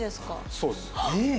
そうです。